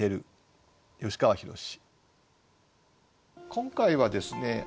今回はですね